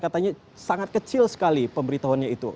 katanya sangat kecil sekali pemberitahuannya itu